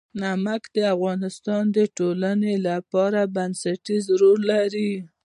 نمک د افغانستان د ټولنې لپاره بنسټيز رول لري.